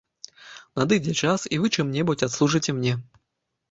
Надыдзе час, і вы чым-небудзь адслужыце мне.